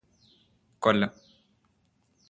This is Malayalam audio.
കൊല്ലം